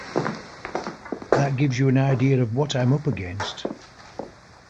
That gives you an idea of what I'm up against.